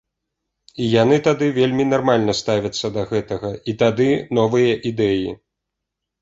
І яны тады вельмі нармальна ставяцца да гэтага, і тады новыя ідэі.